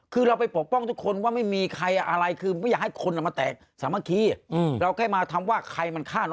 คือเขากำลังจะบอกเขาจะถาม